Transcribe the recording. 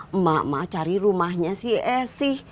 emak emak cari rumahnya si esi